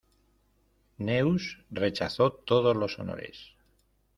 Neus rechazó todos los honores.